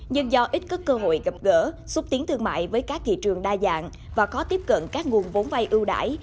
nhưng do ít có cơ hội gặp gỡ xúc tiến thương mại với các thị trường đa dạng và khó tiếp cận các nguồn vốn vay ưu đại